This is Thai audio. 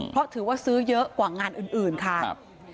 เพราะถือว่าซื้อเยอะกว่างานอื่นค่ะ